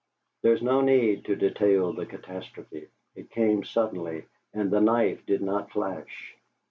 There is no need to detail the catastrophe. It came suddenly, and the knife did not flash.